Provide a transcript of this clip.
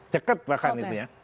ceket bahkan itu ya